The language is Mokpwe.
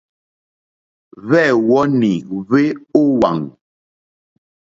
Hwɛ̂wɔ́nì hwé ówàŋ.